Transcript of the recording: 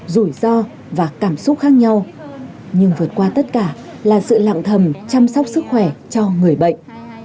rủi ro và cảm xúc khác nhau nhưng vượt qua tất cả là sự lạng thầm chăm sóc sức khỏe cho người bệnh